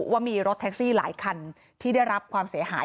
ว่ามีรถแท็กซี่หลายคันที่ได้รับความเสียหาย